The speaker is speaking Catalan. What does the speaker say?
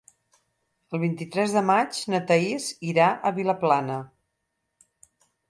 El vint-i-tres de maig na Thaís irà a Vilaplana.